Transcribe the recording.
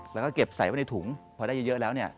แล้วก็เก็บใส่ไว้ในถุงพอได้เยอะแล้วเนี่ย